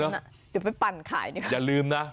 เดี๋ยวไปปั่นขายดีกว่าอย่าลืมนะ